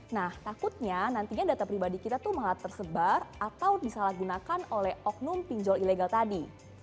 nah takutnya nantinya data pribadi kita tuh malah tersebar atau disalahgunakan oleh oknum pinjol ilegal tadi